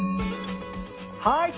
はい！